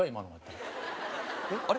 あれ？